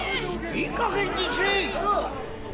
・いいかげんにせい！